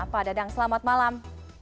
pak dadang selamat malam